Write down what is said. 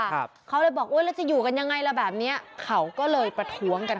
ครับเขาเลยบอกอุ้ยแล้วจะอยู่กันยังไงล่ะแบบเนี้ยเขาก็เลยประท้วงกัน